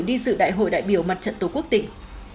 đi sự đại hội đại biểu mặt trận tổ quốc tỉnh